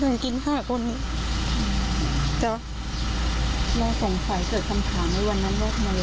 เราสงสัยเกิดคำถามในวันนั้นว่าทำอะไรต่าง